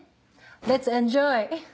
レッツエンジョイ！